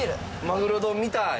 マグロ丼見たい。